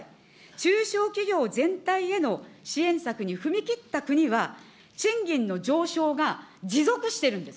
中小企業全体への支援策に踏み切った国は、賃金の上昇が持続しているんです。